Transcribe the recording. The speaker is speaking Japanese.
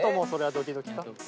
ドキドキよ。